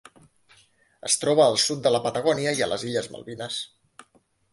Es troba al sud de la Patagònia i a les Illes Malvines.